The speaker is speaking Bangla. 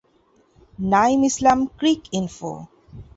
নাঈম ইসলাম- ক্রিকইনফো